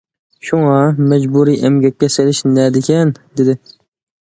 شۇڭا،« مەجبۇرىي ئەمگەككە سېلىش» نەدىكەن؟ دېدى.